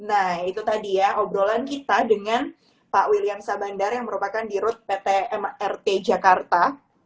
nah itu tadi ya obrolan kita dengan pak william sabandar yang merupakan dirut pt mrt jakarta